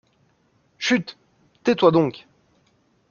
Chut ! tais-toi donc.